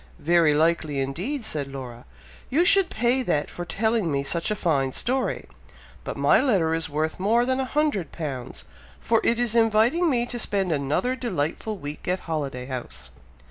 "Very likely, indeed," said Laura; "you should pay that for telling me such a fine story; but my letter is worth more than a hundred pounds, for it is inviting me to spend another delightful week at Holiday House."